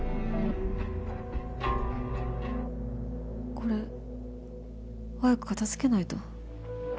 これ早く片付けないと。